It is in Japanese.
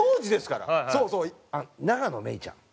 永野芽郁ちゃん。